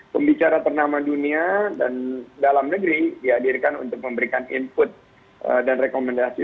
pembicara ternama dunia dan dalam negeri dihadirkan untuk memberikan input dan rekomendasi